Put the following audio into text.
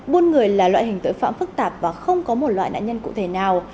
buôn người là loại hình tội phạm phức tạp và không có một loại nạn nhân cụ thể nào